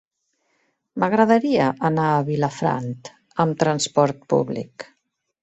M'agradaria anar a Vilafant amb trasport públic.